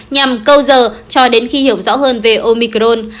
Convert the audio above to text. nhằm câu giờ cho đến khi hiểu rõ hơn về omicron